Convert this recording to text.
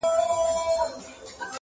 بې له سُره چي پر هر مقام ږغېږي-